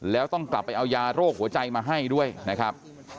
แล้วต้องกลับไปเอายาโรคหัวใจมาให้ด้วยนะครับ